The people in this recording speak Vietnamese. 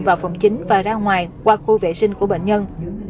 vào phòng chính và ra ngoài qua khu vệ sinh của bệnh nhân